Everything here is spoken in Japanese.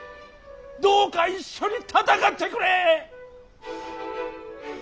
どうか一緒に戦ってくれ！